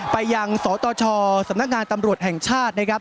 ไปยังสตชสำนักงานตำรวจแห่งชาตินะครับ